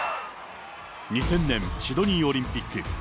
２０００年、シドニーオリンピック。